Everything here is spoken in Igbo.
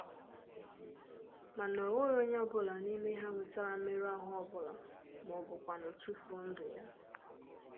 mana o nweghị onye ọbụla n'ime ha nwetara mmerụahụ ọbụla maọbụkwanụ tụfuo ndụ ya.